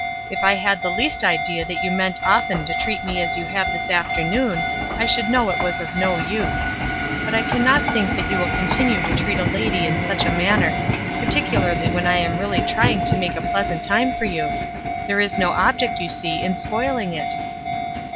If I had the least idea that you meant often to treat me as you have this afternoon I should know it was of no use. But I cannot think that you will continue to treat a lady in such a manner, particularly when I am really trying to make a pleasant time for you. There is no object, you see, in spoiling it."